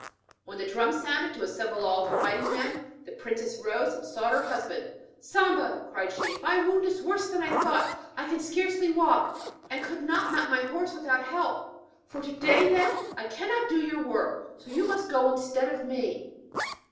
When the drum sounded to assemble all the fighting men, the princess rose and sought her husband. 'Samba,' cried she, 'my wound is worse than I thought. I can scarcely walk, and could not mount my horse without help. For to day, then, I cannot do your work, so you must go instead of me.'